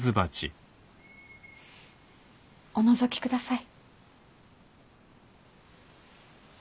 おのぞきください。